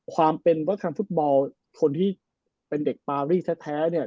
ความเป็นวักคำฟุตบอลคนที่เป็นเด็กปารีแท้เนี่ย